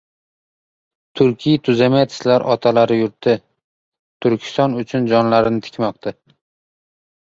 Turkiy tuzemetslar otalari yurti Turkiston uchun jonlarini tikmoqda.